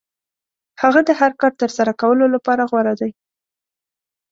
هغه د هر کار ترسره کولو لپاره غوره دی.